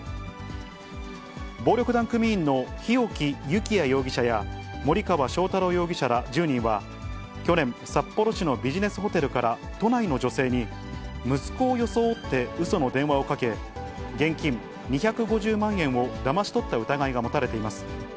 暴力団組員の日沖幸矢容疑者や森川将太郎容疑者ら１０人は、去年、札幌市のビジネスホテルから都内の女性に、息子を装ってうその電話をかけ、現金２５０万円をだまし取った疑いが持たれています。